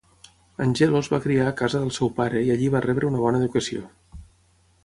Angelo es va criar a casa del seu pare i allí va rebre una bona educació.